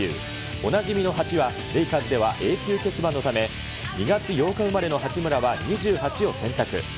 おなじみの８は、レイカーズでは永久欠番のため、２月８日生まれの八村は２８を選択。